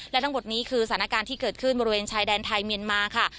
และทั้งหมดนี้คือสถานการณ์ที่เกิดขึ้นบริเวณชายแดนไทยเมียนมาค่ะ